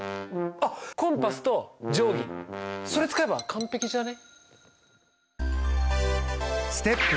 あっコンパスと定規それ使えば完璧じゃね？